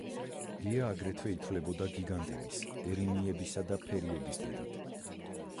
გეა აგრეთვე ითვლებოდა გიგანტების, ერინიებისა და ფერიების დედად.